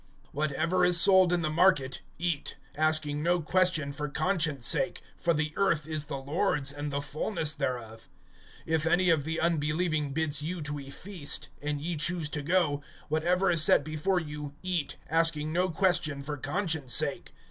(25)Whatever is sold in the market eat, asking no question for conscience sake'; (26)for the earth is the Lord's, and the fullness thereof. (27)If any of the unbelieving bids you to a feast, and ye choose to go, whatever is set before you eat, asking no question for conscience' sake.